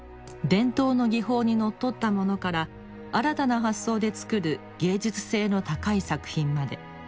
伝統の技法にのっとったものから新たな発想で作る芸術性の高い作品まで。